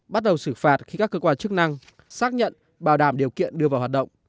bắt đầu xử phạt khi các cơ quan chức năng xác nhận bảo đảm điều kiện đưa vào hoạt động